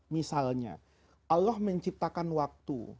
misalnya allah menciptakan waktu